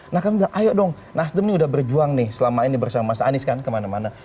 nah kami bilang ayo dong nasdem ini udah berjuang nih selama ini bersama mas anies kan kemana mana